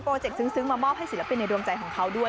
เจกต์ซึ้งมามอบให้ศิลปินในดวงใจของเขาด้วย